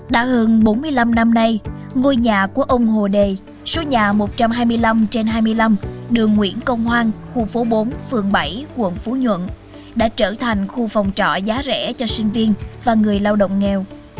đã hơn bốn mươi năm năm nay ngôi nhà của ông hồ đề số nhà một trăm hai mươi năm trên hai mươi năm đường nguyễn công hoang khu phố bốn phường bảy quận phú nhuận đã trở thành khu phòng trọ giá rẻ cho sinh viên và người lao động nghèo